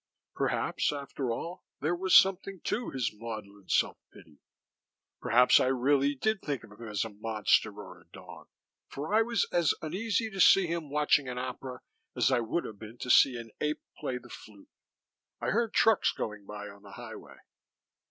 Perhaps, after all, there was something to his maudlin self pity perhaps I really did think of him as a monster or a dog, for I was as uneasy to see him watching an opera as I would have been to see an ape play the flute. I heard trucks going by on the highway.